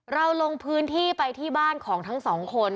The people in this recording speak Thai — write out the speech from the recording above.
เราลงพื้นที่ไปที่บ้านของทั้งสองคน